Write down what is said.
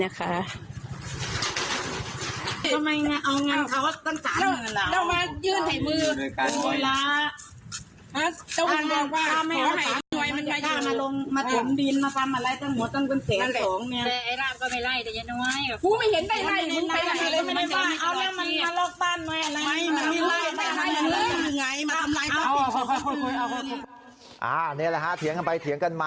อ้าวนี่แหละเฉียงไปเฉียงกันมา